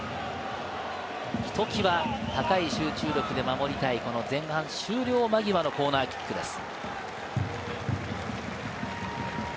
ひときわ高い集中力で守りたい前半終了間際のコーナーキックです。